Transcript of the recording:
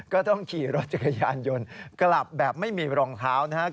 ก็ต้องขี่รถจักรยานยนต์กลับแบบไม่มีรองเท้านะครับ